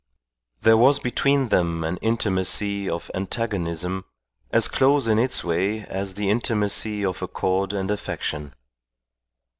There was between them an intimacy of antagonism as close in its way as the intimacy of accord and affection.